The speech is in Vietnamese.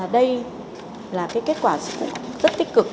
đây là kết quả rất tích cực